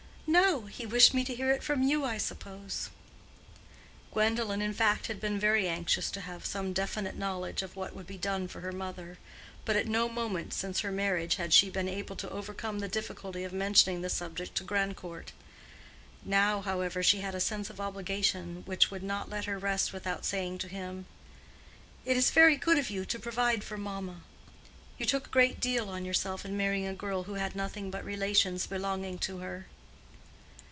"No; he wished me to hear it from you, I suppose." Gwendolen in fact had been very anxious to have some definite knowledge of what would be done for her mother, but at no moment since her marriage had she been able to overcome the difficulty of mentioning the subject to Grandcourt. Now, however, she had a sense of obligation which would not let her rest without saying to him, "It is very good of you to provide for mamma. You took a great deal on yourself in marrying a girl who had nothing but relations belonging to her."